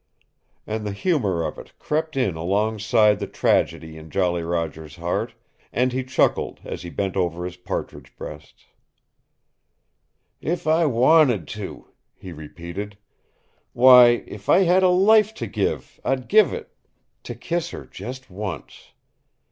And the humor of it crept in alongside the tragedy in Jolly Roger's heart, and he chuckled as he bent over his partridge breasts. "If I wanted to," he repeated. "Why, if I had a life to give, I'd give it to kiss her just once!